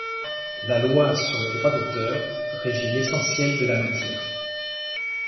La Loi sur le droit d'auteur régit l’essentiel de la matière.